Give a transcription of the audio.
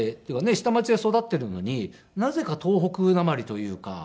下町で育っているのになぜか東北なまりというか。